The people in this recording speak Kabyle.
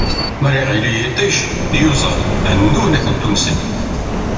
Mi ara yeɣli yiṭij, iyuzaḍ ɛennun akantu-nsen.